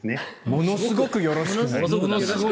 ものすごくよろしくない。